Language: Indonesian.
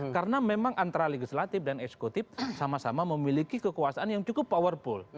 karena memang antara legislatif dan eksekutif sama sama memiliki kekuasaan yang cukup powerful